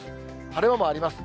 晴れ間もあります。